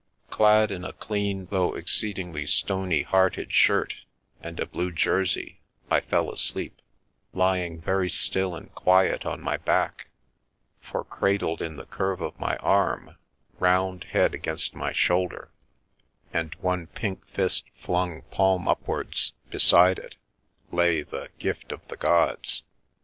Gad in a clean though exceedingly stony hearted shirt and a blue jersey, I fell asleep, lying very still and quiet on my back, for cradled in the curve of my arm, round head against my shoulder, and one pink fist flung, palm upwards, beside it, lay the Gift of the Gods.